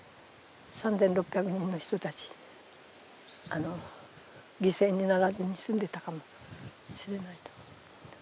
３６００人の人たち、犠牲にならずに済んでたかもしれないと。